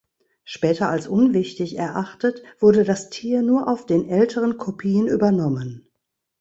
Später als unwichtig erachtet, wurde das Tier nur auf den älteren Kopien übernommen.